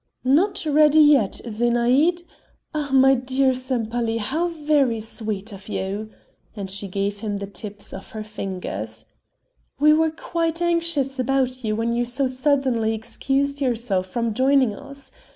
"Not ready yet, Zenaïde? Ah, my dear Sempaly, how very sweet of you!" and she gave him the tips of her fingers. "We were quite anxious about you when you so suddenly excused yourself from joining us.